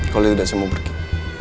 kau lihat udah semua berikut